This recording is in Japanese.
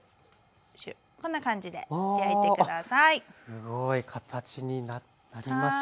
すごい。形になりました。